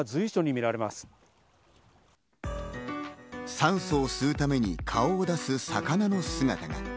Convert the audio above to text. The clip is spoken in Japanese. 酸素を吸うために顔を出す魚の姿。